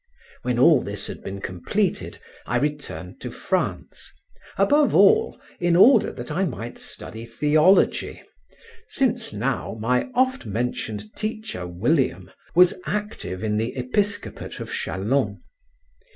When all this had been completed, I returned to France, above all in order that I might study theology, since now my oft mentioned teacher, William, was active in the episcopate of Châlons.